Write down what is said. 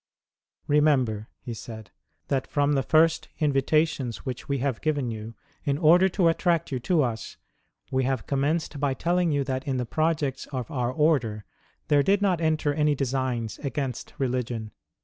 " Remember," he said, " that from the first invitations which we have given you, in order to attract you to us, we have commenced by telling you that in the projects of our Order there did not enter any designs against religion.